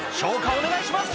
お願いします！